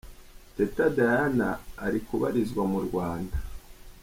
Teta Diana ari kubarizwa mu Rwanda.